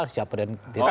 siapa dan tidak